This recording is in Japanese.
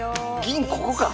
銀ここか！